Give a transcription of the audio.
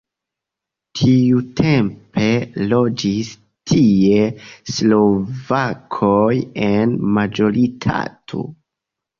Tiutempe loĝis tie slovakoj en majoritato.